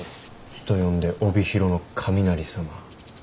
人呼んで帯広の雷様。